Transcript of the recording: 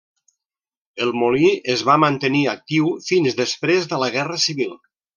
El molí es va mantenir actiu fins després de la guerra civil.